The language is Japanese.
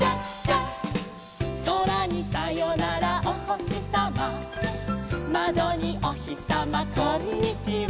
「そらにさよならおほしさま」「まどにおひさまこんにちは」